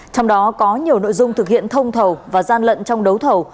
trong đó có nhiều nội dung thực hiện thông thầu và gian lận trong đấu thầu